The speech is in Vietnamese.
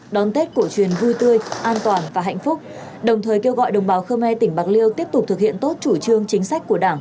đón tết cổ truyền vui tươi an toàn và hạnh phúc đồng thời kêu gọi đồng bào khơ me tỉnh bạc liêu tiếp tục thực hiện tốt chủ trương chính sách của đảng